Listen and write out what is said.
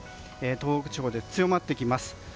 東北地方で強まってきます。